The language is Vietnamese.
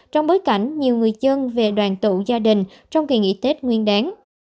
trong bối cảnh nhiều người dân về đoàn tụ gia đình trong kỳ nghỉ tết nguyên đáng